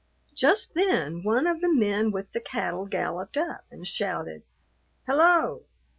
Just then one of the men with the cattle galloped up and shouted, "Hello!"